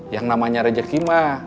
yang namanya rejekima